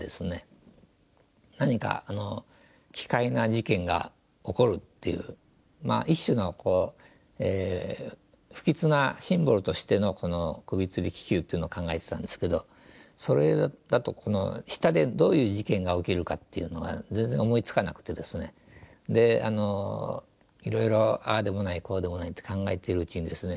何か奇怪な事件が起こるっていうまあ一種の不吉なシンボルとしてのこの首吊り気球っていうのを考えてたんですけどそれだとこの下でどういう事件が起きるかっていうのが全然思いつかなくてですねでいろいろああでもないこうでもないって考えているうちにですね